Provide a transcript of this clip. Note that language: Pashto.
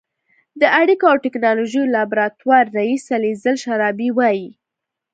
د اړیکو او ټېکنالوژۍ لابراتوار رییسه لیزل شرابي وايي